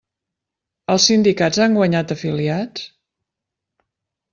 Els sindicats han guanyat afiliats?